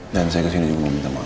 dan saya kesini juga mau minta maaf